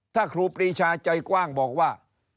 ถ้าครูปรีชาใจกว้างบอกว่า